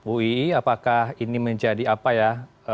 uii apakah ini menjadi apa ya